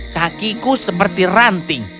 kakiku seperti ranting